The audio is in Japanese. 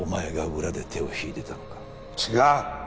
違う！